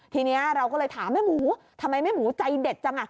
ทีนี้เราก็เลยถามแม่หมูทำไมแม่หมูใจเด็ดจังอ่ะ